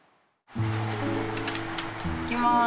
・いきます。